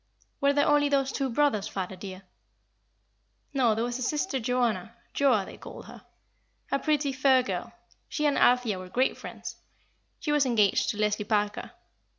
"Were there only those two brothers, father, dear?" "No, there was a sister Joanna Joa they called her a pretty, fair girl; she and Althea were great friends. She was engaged to Leslie Parker.